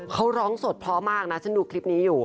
เขาร้องสดเพราะมากนะฉันดูคลิปนี้อยู่